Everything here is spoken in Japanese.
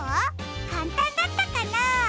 かんたんだったかな？